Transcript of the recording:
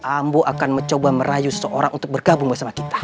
ambu akan mencoba merayu seseorang untuk bergabung bersama kita